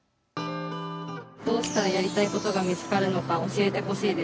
「どうしたらやりたいことが見つかるのか教えて欲しいです。